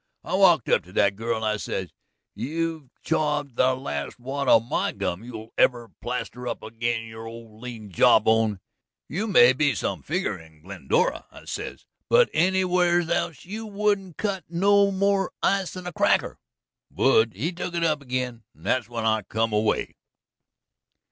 "I walked up to that girl, and I said: 'You've chawed the last wad of my gum you'll ever plaster up ag'in' your old lean jawbone. You may be some figger in Glendora,' I says, 'but anywheres else you wouldn't cut no more ice than a cracker.' Wood he took it up ag'in. That's when I come away."